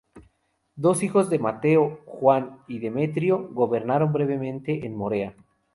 Dos hijos de Mateo, Juan y Demetrio, gobernaron brevemente en Morea.